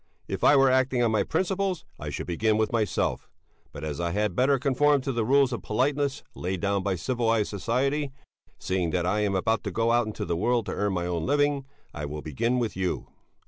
If I were acting on my principles, I should begin with myself; but as I had better conform to the rules of politeness laid down by civilized society seeing that I am about to go out into the world to earn my own living I will begin with you.